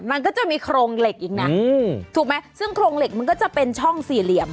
มันก็จะมีโครงเหล็กอีกนะถูกไหมซึ่งโครงเหล็กมันก็จะเป็นช่องสี่เหลี่ยม